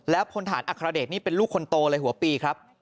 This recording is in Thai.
พลฐานอัครเดชนี่เป็นลูกคนโตเลยหัวปีครับ